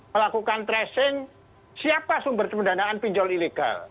melakukan tracing siapa sumber pendanaan pinjol ilegal